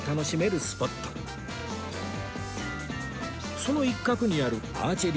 その一角にあるアーチェリー場